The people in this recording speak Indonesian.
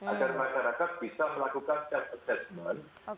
agar masyarakat bisa melakukan self assessment